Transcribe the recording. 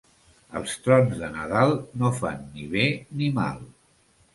Els trons de Nadal no fan ni bé ni mal.